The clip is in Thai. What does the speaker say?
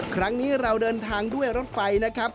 ครั้งนี้เราเดินทางด้วยรถไฟนะครับ